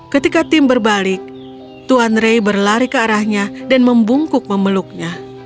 ketika tim berbalik tuan ray berlari ke arahnya dan membungkuk memeluknya